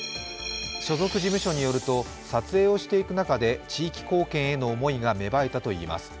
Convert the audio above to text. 所属事務所によると、撮影をしていく中で地域貢献への思いが芽生えたといいます。